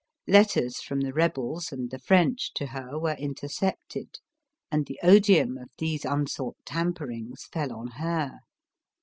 Letters from the rebels and the French to her were intercepted, and the odium of these unsought tamper! ngs fell on her.